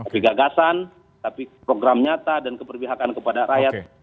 tapi gagasan tapi program nyata dan keperbihaan kepada rakyat